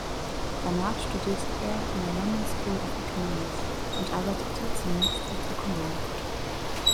Danach studierte er an der London School of Economics und arbeitete zunächst als Ökonom.